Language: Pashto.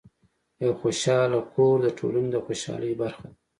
یو خوشحال کور د ټولنې د خوشحالۍ برخه ده.